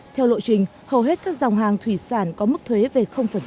theo lộ trình hầu hết các dòng hàng thủy sản có mức thuế về